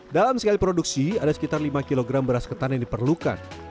dalam sekali produksi ada sekitar lima kg beras ketan yang diperlukan